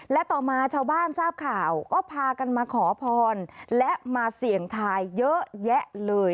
และต่อมาชาวบ้านทราบข่าวก็พากันมาขอพรและมาเสี่ยงทายเยอะแยะเลย